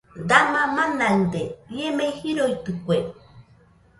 !Dama manaɨde¡ ie mei jiroitɨke